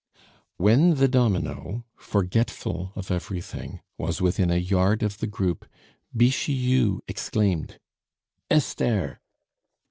When the domino, forgetful of everything, was within a yard of the group, Bixiou exclaimed: "Esther!"